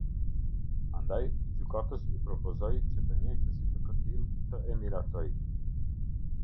Andaj, gjykatës i propozojë që të njëjtën si të këtillë të e miratojë.